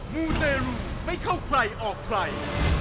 มูเตรลูไม่เข้าใครออกใคร